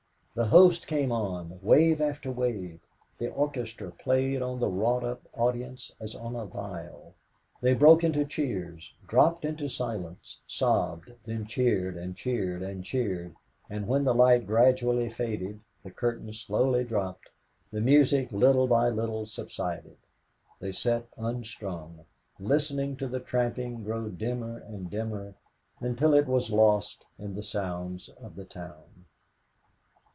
The host came on, wave after wave; the orchestra played on the wrought up audience as on a viol. They broke into cheers, dropped into silence, sobbed, then cheered and cheered and cheered; and when the light gradually faded, the curtain slowly dropped, the music little by little subsided; they sat unstrung, listening to the tramping grow dimmer and dimmer until it was lost in the sounds of the town.